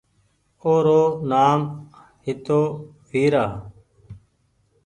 او رو نآم هتو ويرا